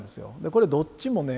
これどっちもね